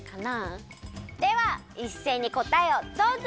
ではいっせいにこたえをどうぞ！